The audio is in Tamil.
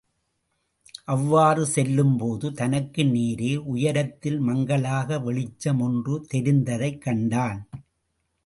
அவ்வாறு செல்லும்போது தனக்கு நேரே உயரத்தில் மங்கலாக வெளிச்சம் ஒன்று தெரிந்ததைக் கண்டான்.